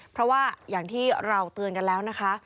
เพราะว่าอย่างที่เราเตือนกันแล้วนะคะ